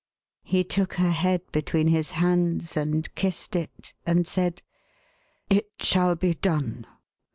He took her head between his hands, and kissed it, and said: "It shall be done.